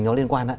nó liên quan